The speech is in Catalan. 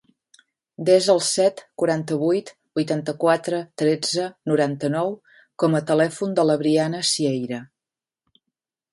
Desa el set, quaranta-vuit, vuitanta-quatre, tretze, noranta-nou com a telèfon de la Briana Sieira.